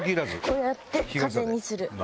こうやって風にする。